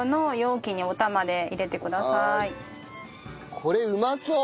これうまそう！